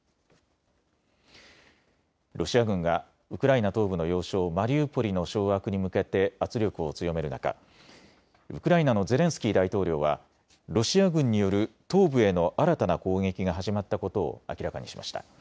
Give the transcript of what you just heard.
ロシア軍がウクライナ東部の要衝マリウポリの掌握に向けて圧力を強める中、ウクライナのゼレンスキー大統領はロシア軍による東部への新たな攻撃が始まったことを明らかにしました。